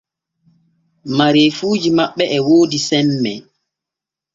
Mareefuuji maɓɓe e woodi semme.